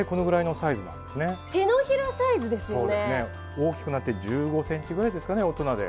大きくなって１５センチぐらいですかね大人で。